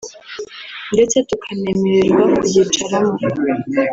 ndetse tukanemererwa kuyicaramo